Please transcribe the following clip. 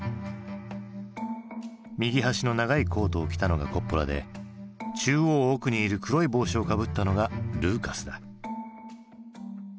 右端の長いコートを着たのがコッポラで中央奥にいる黒い帽子をかぶったのがルーカスだ。